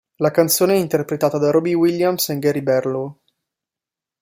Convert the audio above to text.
La canzone è interpretata da Robbie Williams e Gary Barlow.